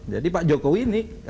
jadi pak jokowi ini